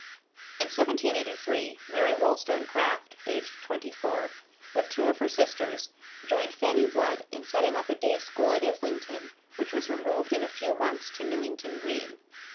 In 1783 Mary Wollstonecraft aged twenty four with two of her sisters, joined Fanny Blood in setting up a day school at Islington, which was removed in a few months to Newington Green.